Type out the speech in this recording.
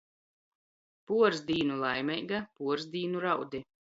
Puors dīnu laimeiga, puors dīnu raudi.